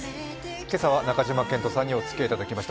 今朝は中島健人さんにおつきあいいただきました。